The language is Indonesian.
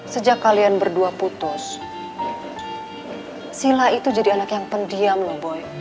sejak kalian berdua putus sila itu jadi anak yang pendiam loh boy